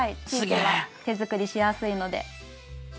チーズは手作りしやすいので。